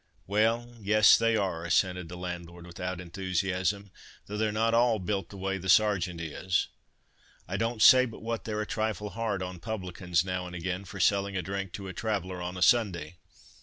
"Well, yes, they are," assented the landlord without enthusiasm, "though they're not all built the way the Sergeant is. I don't say but what they're a trifle hard on publicans now and again for selling a drink to a traveller on a Sunday.